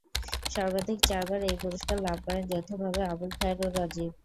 সর্বাধিক চারবার এই পুরস্কার লাভ করেন যৌথভাবে আবুল খায়ের ও রাজিব।